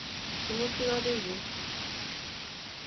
気持ち悪いです